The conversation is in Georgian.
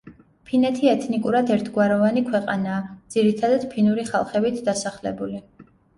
ფინეთი ეთნიკურად ერთგვაროვანი ქვეყანაა, ძირითადად ფინური ხალხებით დასახლებული.